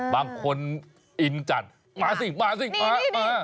บางคนอินจัดพาสิพา